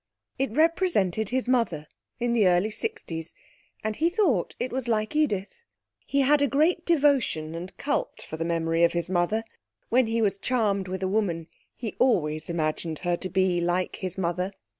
It represented his mother in the early sixties and he thought it was like Edith. He had a great devotion and cult for the memory of his mother. When he was charmed with a woman he always imagined her to be like his mother.